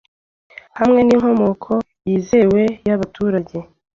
hamwe ninkomoko yizewe yabaturage